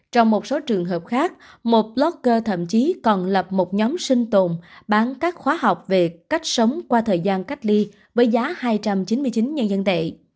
trong một số trường hợp khác một plockcher thậm chí còn lập một nhóm sinh tồn bán các khóa học về cách sống qua thời gian cách ly với giá hai trăm chín mươi chín nhân dân tệ